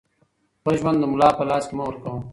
خپل ژوند د ملا په لاس کې مه ورکوه